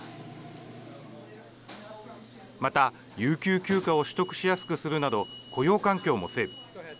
また、有給休暇を取得しやすくするなど雇用環境も整備。